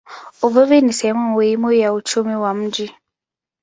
Uvuvi ni sehemu muhimu ya uchumi wa mji.